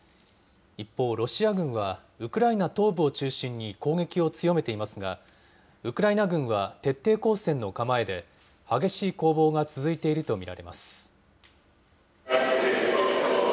一方、ロシア軍はウクライナ東部を中心に攻撃を強めていますが、ウクライナ軍は徹底抗戦の構えで、激しい攻防が続いていると見られます。